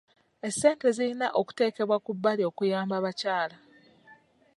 Essente zirina okuteekebwa ku bbali okuyamba abakyala.